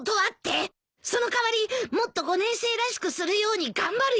その代わりもっと５年生らしくするように頑張るよ。